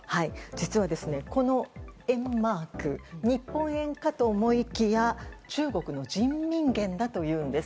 実はこの￥マーク日本円かと思いきや中国の人民元だというんです。